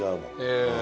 へえ。